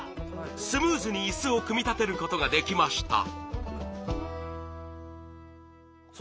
スムーズに椅子を組み立てることができました。